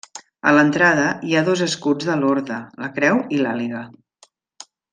A l'entrada hi ha dos escuts de l'orde, la creu i l'àguila.